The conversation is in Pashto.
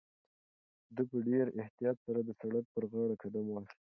ده په ډېر احتیاط سره د سړک پر غاړه قدم واخیست.